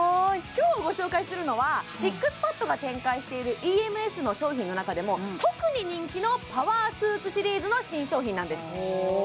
今日ご紹介するのはＳＩＸＰＡＤが展開しているＥＭＳの商品の中でも特に人気のパワースーツシリーズの新商品なんです